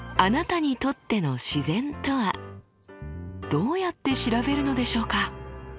どうやって調べるのでしょうか。